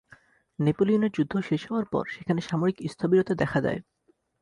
নেপোলিয়নের যুদ্ধ শেষ হওয়ার পর সেখানে সামরিক স্থবিরতা দেখা দেয়।